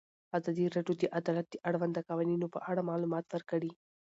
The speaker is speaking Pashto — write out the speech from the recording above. ازادي راډیو د عدالت د اړونده قوانینو په اړه معلومات ورکړي.